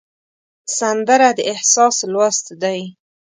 سندره د احساس لوست دی